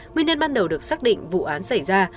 nguyên nhân ban đầu được xác định vụ án xảy ra